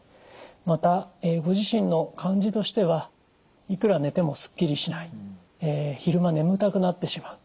またご自身の感じとしてはいくら寝てもすっきりしない昼間眠たくなってしまう。